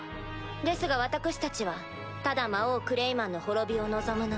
ですが私たちはただ魔王クレイマンの滅びを望むのみ。